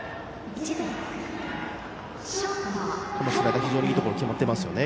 このスライダー非常にいいところに決まっていますね。